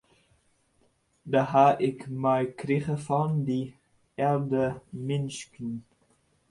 Dat ha ik meikrige fan de âlde minsken.